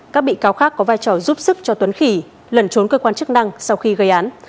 các bị cáo khác có vai trò giúp sức cho tuấn khỉ lẩn trốn cơ quan chức năng sau khi gây án